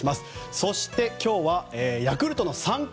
そして今日はヤクルトの三冠